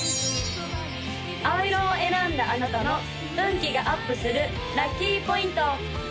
青色を選んだあなたの運気がアップするラッキーポイント！